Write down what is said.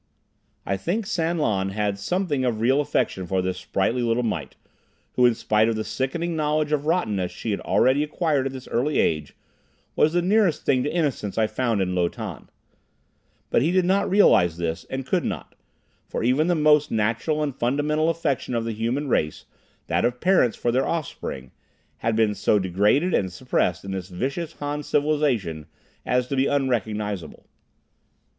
I think San Lan held something of real affection for this sprightly little mite, who in spite of the sickening knowledge of rottenness she had already acquired at this early age, was the nearest thing to innocence I found in Lo Tan. But he did not realize this, and could not; for even the most natural and fundamental affection of the human race, that of parents for their offspring, had been so degraded and suppressed in this vicious Han civilization as to be unrecognizable.